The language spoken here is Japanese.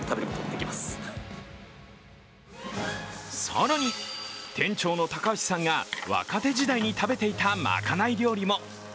更に、店長の高橋さんが若手時代に食べていたまかない料理も。